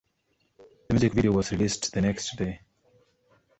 The music video was released the next day.